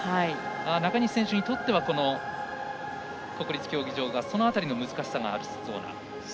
中西選手にとっては国立競技場がその辺りの難しさがありそうな。